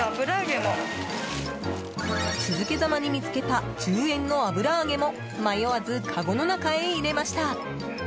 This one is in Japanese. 続けざまに見つけた１０円の油揚げも迷わず、かごの中へ入れました。